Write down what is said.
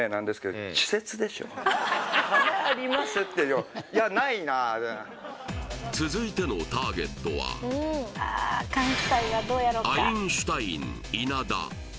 ここで続いてのターゲットはアインシュタイン稲田